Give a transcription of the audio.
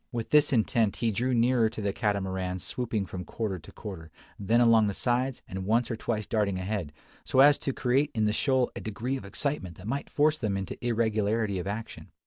With this intent he drew nearer to the Catamaran swooping from quarter to quarter, then along the sides, and once or twice darting ahead, so as to create in the shoal a degree of excitement that might force them into irregularity of action.